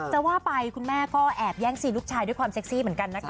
จะว่าไปคุณแม่ก็แอบแย่งซีนลูกชายด้วยความเซ็กซี่เหมือนกันนะคะ